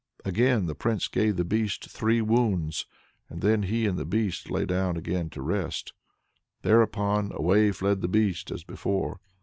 Again the Prince gave the Beast three wounds, and then he and the Beast lay down again to rest. Thereupon away fled the Beast as before.